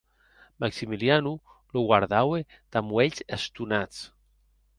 Maximiliano lo guardaue damb uelhs estonats.